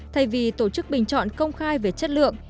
thay vì tổ chức bình chọn công khai về chất lượng